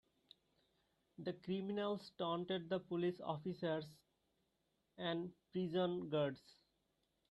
The criminals taunted the police officers and prison guards.